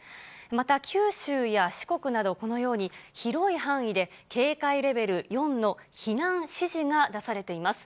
また、九州や四国など、このように、広い範囲で警戒レベル４の避難指示が出されています。